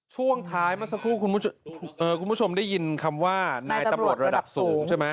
ช่วงท้ายเมื่อสักครู่คุณผู้ชมได้ยินคำว่านายตำรวจระดับสูงใช่ไหม